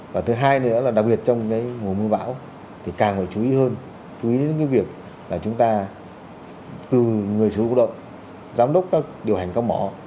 và thứ hai nữa là đặc biệt trong cái mùa mưa bão thì càng phải chú ý hơn chú ý đến cái việc là chúng ta cử người sử dụng động giám đốc các điều hành các mỏ